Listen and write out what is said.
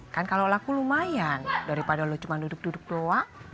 kan kalau laku lumayan daripada lo cuma duduk duduk doang